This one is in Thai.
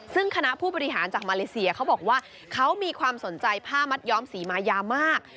ซึ่งคณะผู้บริหารจากมาเลเซียเขาบอกว่าเขามีความสนใจผ้ามัดย้อมสีมายามาก